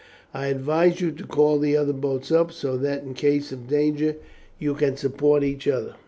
I advise you to call the other boats up so that in case of danger you can support each other."